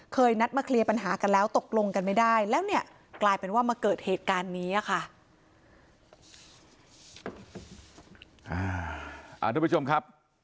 นัดมาเคลียร์ปัญหากันแล้วตกลงกันไม่ได้แล้วเนี่ยกลายเป็นว่ามาเกิดเหตุการณ์นี้ค่ะ